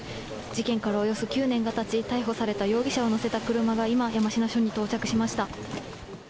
事件からおよそ９年が経ち、逮捕された容疑者を乗せた車が、今山科署に到着しました。